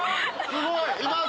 すごい！